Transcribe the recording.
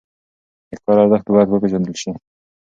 د کار ارزښت باید وپېژندل شي.